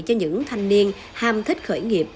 cho những thanh niên ham thích khởi nghiệp